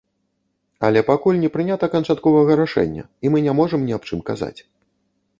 Але пакуль не прынята канчатковага рашэння, і мы не можам ні аб чым казаць.